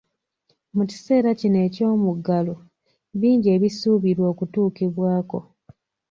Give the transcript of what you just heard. Mu kiseera kino eky'omuggalo, bingi ebisuubirwa okutuukibwako.